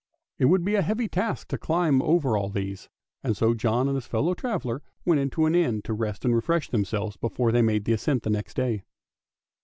It would be a heavy task to climb over all these, and so John and his fellow traveller went into an inn to rest and refresh themselves before they made the ascent next day.